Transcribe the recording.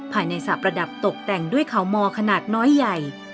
สระประดับตกแต่งด้วยเขามอขนาดน้อยใหญ่